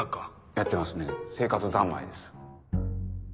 やってますね生活三昧です。